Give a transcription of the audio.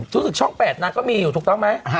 รู้สึกว่าช่อง๘นางก็มีอยู่ถูกต้องไหม